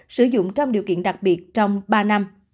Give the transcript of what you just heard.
sử dụng trong điều kiện đặc biệt trong ba năm